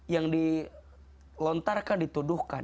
yang dilontarkan dituduhkan